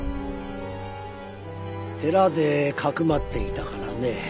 寺で匿っていたからね。